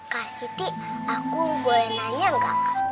kasih ti aku boleh nanya gak